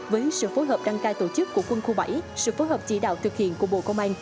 với sự phối hợp đăng cai tổ chức của quân khu bảy sự phối hợp chỉ đạo thực hiện của bộ công an